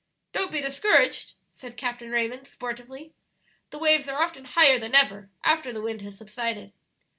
"Don't be discouraged," said Captain Raymond, sportively; "the waves are often higher than ever after the wind has subsided."